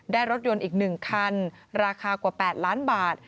รถยนต์อีก๑คันราคากว่า๘ล้านบาท